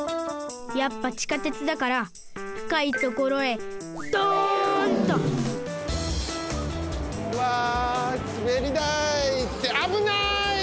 やっぱ地下鉄だからふかいところへドンと！わすべりだい！ってあぶない！